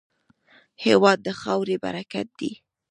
هېواد د خاورې برکت دی.